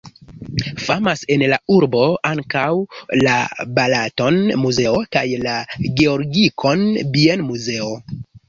Famas en la urbo ankaŭ la Balaton-muzeo kaj la Georgikon-bienmuzeo.